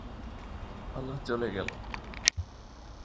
হলা চলে গেল।